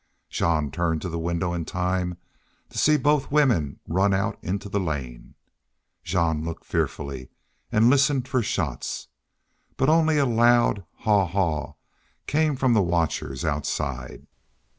Jean turned to the window in time to see both women run out into the lane. Jean looked fearfully, and listened for shots. But only a loud, "Haw! Haw!" came from the watchers outside.